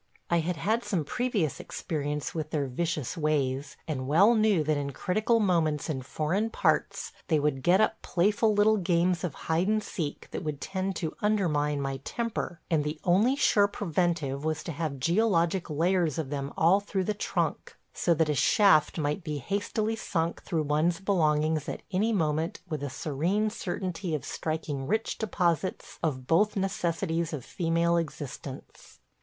I had had some previous experience with their vicious ways, and well knew that in critical moments in foreign parts they would get up playful little games of hide and seek that would tend to undermine my temper, and the only sure preventive was to have geologic layers of them all through the trunk, so that a shaft might be hastily sunk through one's belongings at any moment with a serene certainty of striking rich deposits of both necessities of female existence.